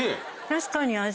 確かに味。